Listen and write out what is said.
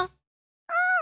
うん！